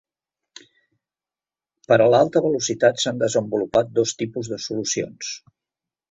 Per a l’alta velocitat s’han desenvolupat dos tipus de solucions.